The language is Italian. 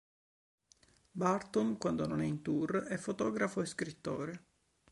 Burton, quando non è in tour, è fotografo e scrittore.